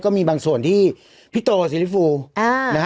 ก็มีบางส่วนที่พี่โตสิริฟูนะฮะ